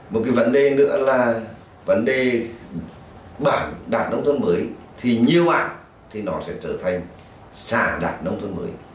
một cái vấn đề nữa là vấn đề bản đạt nông thôn mới thì nhiều ạ thì nó sẽ trở thành xã đạt nông thôn mới